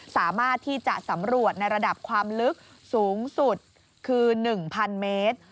สามารถที่จะสำรวจในระดับความลึกสูงสุดคือ๑๐๐เมตร